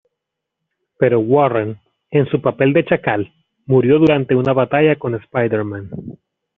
Pero Warren, en su papel de Chacal, murió durante una batalla con Spiderman.